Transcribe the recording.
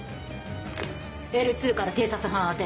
Ｌ２から偵察班宛て。